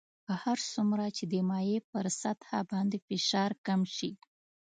هر څومره چې د مایع پر سطح باندې فشار کم شي.